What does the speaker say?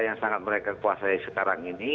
yang sangat mereka kuasai sekarang ini